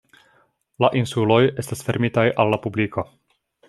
La insuloj estas fermitaj al la publiko.